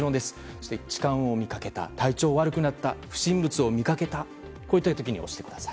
そして痴漢を見かけた体調が悪くなった不審物を見かけたこういった時に押してください。